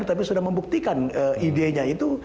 tapi sudah membuktikan ide nya itu